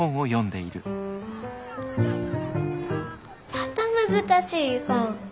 また難しい本。